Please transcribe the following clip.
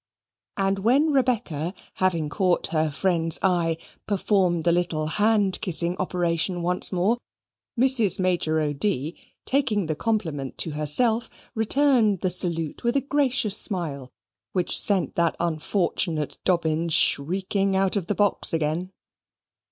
and when Rebecca, having caught her friend's eye, performed the little hand kissing operation once more, Mrs. Major O'D., taking the compliment to herself, returned the salute with a gracious smile, which sent that unfortunate Dobbin shrieking out of the box again.